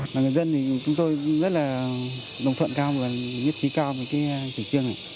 và người dân thì chúng tôi rất là đồng thuận cao và nhất trí cao với cái chủ trương này